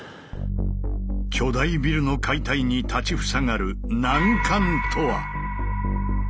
⁉巨大ビルの解体に立ち塞がる「難関」とは？